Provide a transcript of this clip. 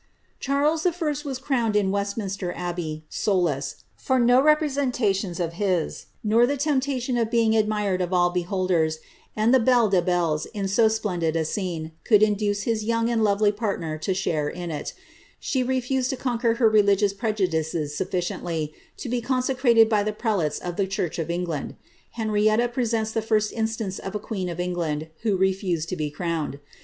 Charles 1. was crowned in Westminster abbey, solus, for no reprs* sentations of his, nor the temptation of being the admired of all behold ers, and the belle des belles in so splendid a scene, could indaee his young and lovely partner to share in it She refused to conquer her religious prejudices sufficiently to be consecrated by the prelates of the church of England. Henrietta presents tlie first instance of a queen of England who refused to be crowned.